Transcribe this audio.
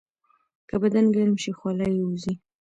که بدن ګرم شي، خوله یې وځي.